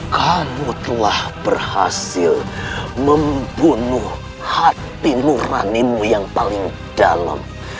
kamu telah berhasil membunuh hati muranimu yang paling dalam